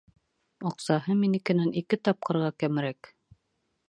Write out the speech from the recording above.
Аҡсаһы минекенән ике тапҡырға кәмерәк.